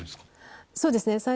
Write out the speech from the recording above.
そうですね。